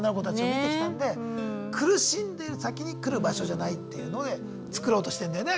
見てきたんで苦しんでる先に来る場所じゃないっていうので作ろうとしてんだよね